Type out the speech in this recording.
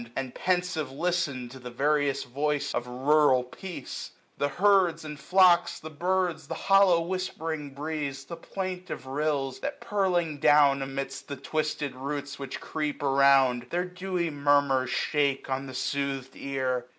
And pensive listen to the various voice Of rural peace : The herds, and flocks, the birds, 915 The hollow whispering breeze, the plaint of rills. That, purling down amid the twisted roots Which creep around, their dewy murmurs shake On the sooth'd ear.